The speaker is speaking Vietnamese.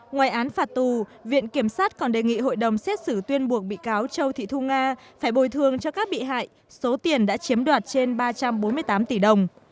ngoài án phạt tù viện kiểm sát còn đề nghị hội đồng xét xử tuyên buộc bị cáo châu thị thu nga phải bồi thương cho các bị hại số tiền đã chiếm đoạt trên ba trăm bốn mươi tám tỷ đồng